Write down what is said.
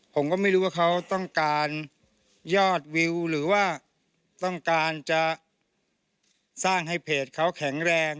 ผมก็ไม่รู้ว่าเขาต้องการยอดวิวหรือว่าต้องการจะสร้างให้เพจเขาแข็งแรง